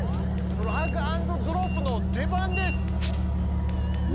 ドラッグアンドドロップの出番です！